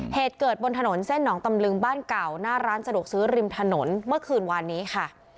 เหตุเกิดบนถนนเส้นหองตำลึงบ้านเก่าหน้าร้านสะดวกซื้อริมถนนเมื่อคืนวานนี้ค่ะ